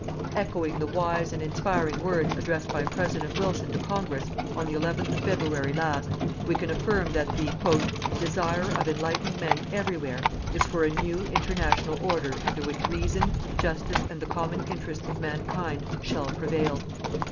Echoing the wise and inspiring words addressed by President Wilson to Congress, on the eleventh of February last, we can affirm that the "_desire of enlightened men everywhere is for a new international order under which reason, justice and the common interests of mankind shall prevail.